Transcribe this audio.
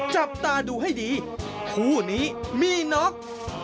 จับตาดูให้ดีคู่นี้มีน็อก